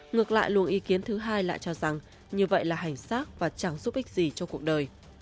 ngược lại luồng ý kiến thứ hai lại cho rằng như vậy là hành xác và chẳng giúp ích gì cho cuộc đời